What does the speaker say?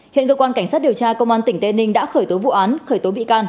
hiện cơ quan cảnh sát điều tra công an tỉnh tây ninh đã khởi tố vụ án khởi tố bị can